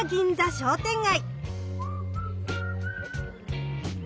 商店街。